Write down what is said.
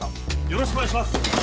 よろしくお願いします！